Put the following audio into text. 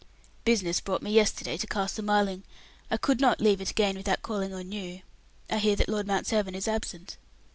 "Business brought me yesterday to Castle Marling. I could not leave it again without calling on you. I hear that Lord Mount Severn is absent."